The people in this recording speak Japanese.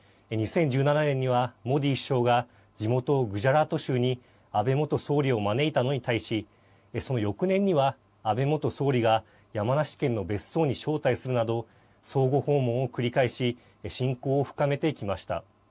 ２０１７年には、モディ首相が地元グジャラート州に安倍元総理を招いたのに対しその翌年には安倍元総理が山梨県の別荘に招待するなど相互訪問を繰り返し親交を深めてきました。